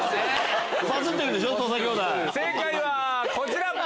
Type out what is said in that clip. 正解はこちら！